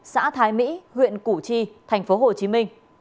xã thái mỹ huyện củ chi tp hcm